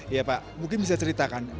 ya pak mungkin bisa diceritakan